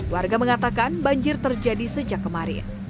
warga mengatakan banjir terjadi sejak kemarin